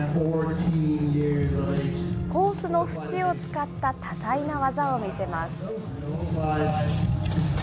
コースの縁を使った多彩な技を見せます。